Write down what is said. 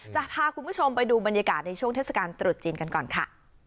จะพาคุณผู้ชมไปดูบรรยากาศในช่วงเทศกาลตรุษจีนกันก่อนค่ะ